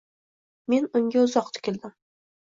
Men unga uzoq tikildim